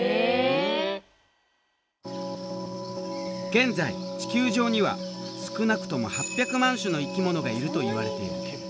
現在地球上には少なくとも８００万種の生き物がいるといわれている。